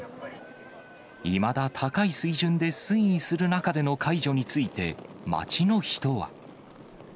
いまだ高い水準で推移する中での解除について、街の人は。